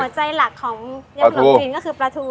หัวใจหลักของยำขนมจีนก็คือปลาทู